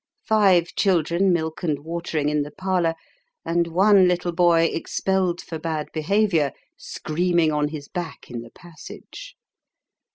Five children milk and watering in the parlour, and one little boy, expelled for bad behaviour, screaming on his back in the passage.